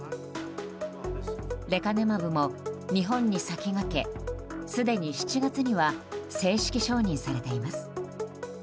レカネマブも日本に先駆けすでに７月には正式承認されています。